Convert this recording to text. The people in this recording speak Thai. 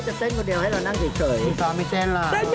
จะดีใหญ่ที่ยอมเต้น